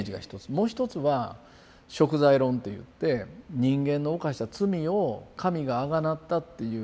もう一つは贖罪論といって人間の犯した罪を神があがなったっていう。